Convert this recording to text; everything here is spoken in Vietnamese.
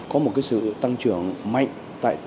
có một cái sự tăng trưởng mạnh